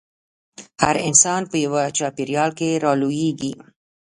هر انسان په يوه چاپېريال کې رالويېږي.